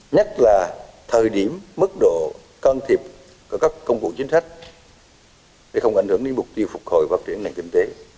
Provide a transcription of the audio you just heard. nhất là thời điểm mức độ can thiệp của các công cụ chính sách để không ảnh hưởng đến mục tiêu phục hồi phát triển nền kinh tế